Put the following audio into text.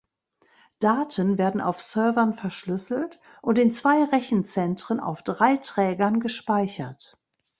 Daten werden auf Servern verschlüsselt und in zwei Rechenzentren auf drei Trägern gespeichert.